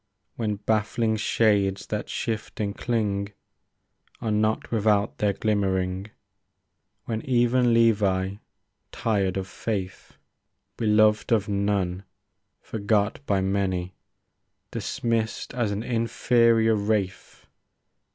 When baffling shades that shift and cling . Are not without their glimmering ; 1 82 THE FIELD OF GLORY When even Levi, tired of faith. Beloved of none, forgot by many. Dismissed as an inferior wraith.